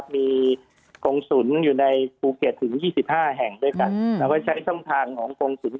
มีกองศุลธิมศักโศนอยู่ในภูเก็ตถึง๒๕แห่งด้วยกัน